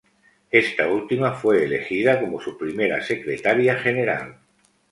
Esta última fue elegida como su primera secretaria general.